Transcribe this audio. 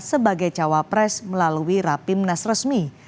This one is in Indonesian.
sebagai cawa pres melalui rapim nas resmi